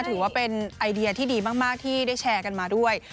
ถือว่าเป็นไอเดียที่ดีมากที่ได้แชร์กันมาด้วย